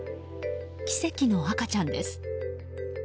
奇跡の赤ちゃんです。